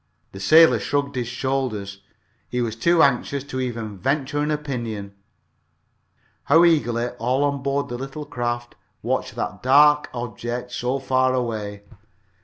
The sailor shrugged his shoulders. He was too anxious to even venture an opinion. How eagerly all on board the little craft watched that dark object so far away!